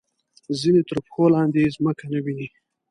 ځینې تر پښو لاندې ځمکه نه ویني.